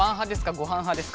ごはんはですか？